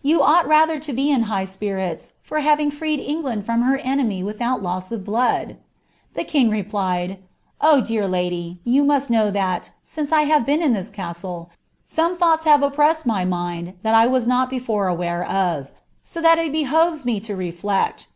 You ought rather to be in hi^ ffUHt having freed England from her enemy witiiout loaa of blood.' ■'The kingn plied— "' Oh, dear lady, you must know that, since I hare been in tfaU eMilt some thoughts have oppressed my mind that 1 was not before awaiaof; so that ii behoves me to relleci.